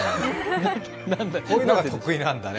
こういうのが得意なんだね。